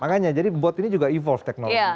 makanya jadi bot ini juga evolve teknologi